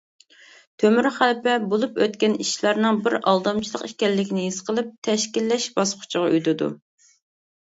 تۆمۈر خەلپە بولۇپ ئۆتكەن ئىشلارنىڭ بىر ئالدامچىلىق ئىكەنلىكىنى ھېس قىلىپ، تەشكىللەش باسقۇچىغا ئۆتىدۇ.